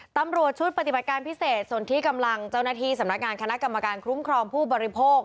ตำรวจชุดปฏิบัติการพิเศษส่วนที่กำลังเจ้าหน้าที่สำนักงานคณะกรรมการคุ้มครองผู้บริโภค